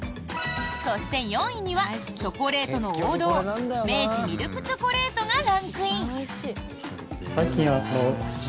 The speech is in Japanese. そして、４位にはチョコレートの王道明治ミルクチョコレートがランクイン。